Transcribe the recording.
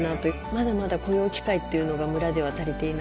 まだまだ雇用機会っていうのが村では足りていない。